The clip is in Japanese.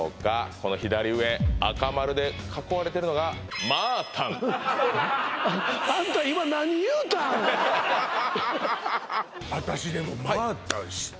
この左上赤丸で囲われてるのが私でもウソ！？